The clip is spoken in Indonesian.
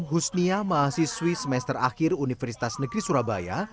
husnia mahasiswi semester akhir universitas negeri surabaya